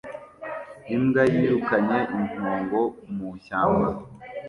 Imbwa yirukanye impongo mu ishyamba